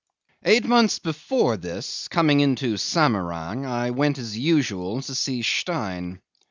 'Eight months before this, coming into Samarang, I went as usual to see Stein.